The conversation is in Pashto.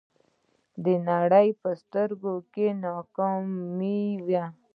د نړۍ په سترګو کې ناکامه یم.